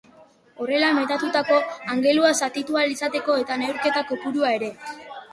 Horrela metatutako angelua zatitu ahal izateko eta neurketa kopurua ere.